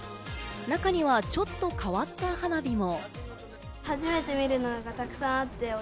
中にはちょっと変わった花火も。